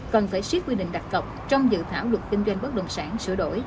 cần phải siết quy định đặt cọc trong dự thảo luật kinh doanh bất đồng sản sửa đổi